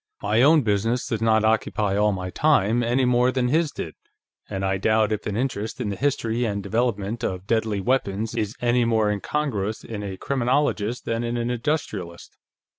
"My own business does not occupy all my time, any more than his did, and I doubt if an interest in the history and development of deadly weapons is any more incongruous in a criminologist than in an industrialist.